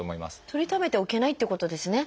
とりためておけないっていうことですね。